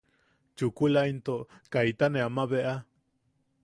Chukula into kaita ne ama bea...